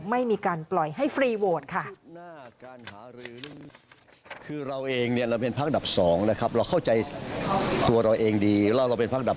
ไม่มีการปล่อยให้ฟรีโหวตค่ะ